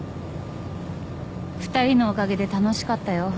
２人のおかげで楽しかったよ。